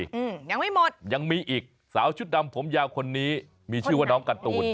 อืมยังไม่หมดยังมีอีกสาวชุดดำผมยาวคนนี้มีชื่อว่าน้องการ์ตูน